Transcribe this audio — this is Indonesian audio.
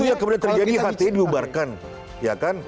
itu yang kemudian terjadi hati hati diubarkan